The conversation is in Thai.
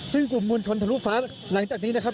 ซึ่งกลุ่มมวลชนทะลุฟ้าหลังจากนี้นะครับ